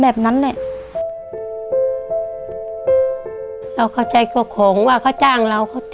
เราก็ใจก็ข่งว่าเขาจ้างเรา